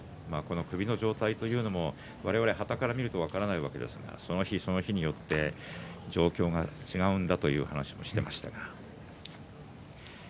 首の状態も我々、端から見ると分からないんですがその日その日によって状態が違うんだという話をしてました。